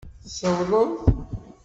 Tsawleḍ?